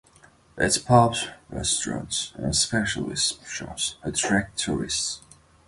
Its pubs, restaurants and specialist shops attract tourists.